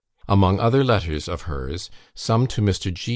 Among other letters of hers, some to Mr. G.